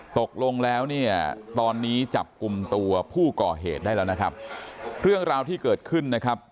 ตกลงแล้วเนี่ยตอนนี้จับกลุ่มตัวผู้ก่อเหตุได้แล้วนะครับเรื่องราวที่เกิดขึ้นนะครับ